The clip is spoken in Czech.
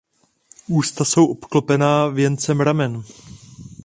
Ústa jsou obklopená věncem ramen.